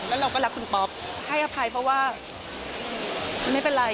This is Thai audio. แล้วเราก็รักคุณป๊อปให้อภัยเพราะว่ามันไม่เป็นไร